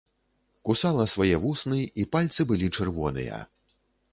Кусала свае вусны, і пальцы былі чырвоныя.